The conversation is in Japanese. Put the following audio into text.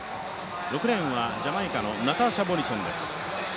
６レーンはジャマイカのナターシャ・モリソンです。